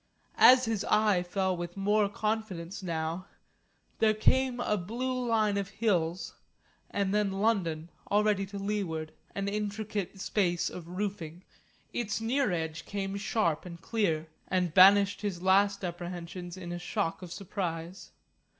As his eye fell with more confidence now, there came a blue line of hills, and then London, already to leeward, an intricate space of roofing. Its near edge came sharp and clear, and banished his last apprehensions in a shock of surprise.